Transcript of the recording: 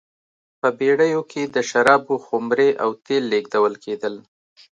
په بېړیو کې د شرابو خُمرې او تېل لېږدول کېدل.